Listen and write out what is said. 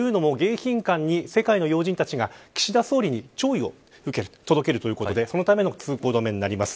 というのも迎賓館に世界の要人たちが岸田総理に弔意を届けるということでそのための通行止めになります。